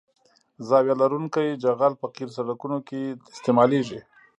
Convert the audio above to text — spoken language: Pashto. زاویه لرونکی جغل په قیر سرکونو کې استعمالیږي